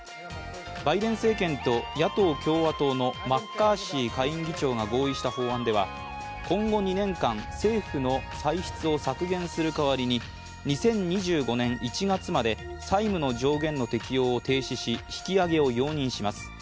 バイデン政権と野党・共和党のマッカーシー下院議長が合意した法案では、今後２年間政府の歳出を削減する代わりに２０２５年１月まで債務の上限の適用を停止し引き上げを容認します。